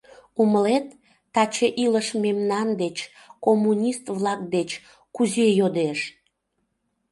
— Умылет, таче илыш мемнан деч, коммунист-влак деч, кузе йодеш?